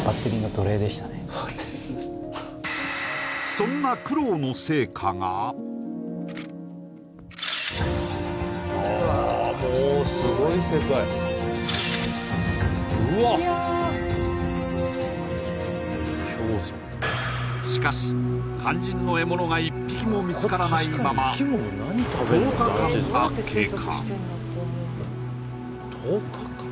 そんな苦労の成果がしかし肝心の獲物が一匹も見つからないまま１０日です